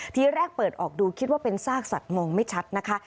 ทีแรกเปิดออกดูคิดว่าเป็นซากสัตว์มองไม่ชัดนะคะ